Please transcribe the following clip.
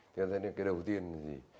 thì là cái đầu tiên là gì